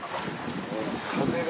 風が。